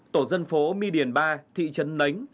tổ dân phố my điển ba thị trấn nánh